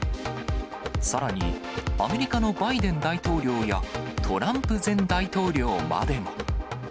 さらにアメリカのバイデン大統領やトランプ前大統領までも。